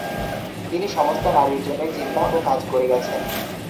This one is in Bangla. তিনি সমস্ত নারীর জন্যই চিন্তা ও কাজ করে গেছেন।